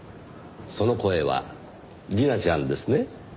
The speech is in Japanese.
その声は莉奈ちゃんですね？